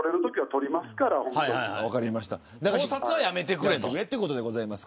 盗撮はやめてくれと。